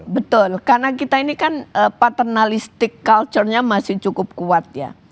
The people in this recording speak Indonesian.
betul karena kita ini kan paternalistik culture nya masih cukup kuat ya